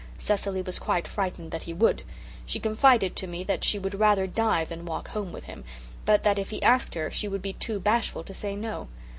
Cecily was quite frightened that he would; she confided to me that she would rather die than walk home with him, but that if he asked her she would be too bashful to say no.